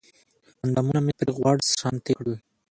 اندامونه مې پرې غوړ شانتې کړل